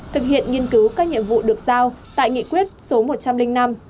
thực hiện nghiên cứu các nhiệm vụ được giao tại nghị quyết số một trăm linh năm